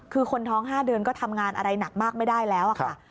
คือคนท้อง๕เดือนก็ทำงานอะไรหนักมากไม่ได้แล้วค่ะ